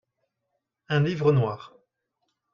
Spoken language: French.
un livre noir.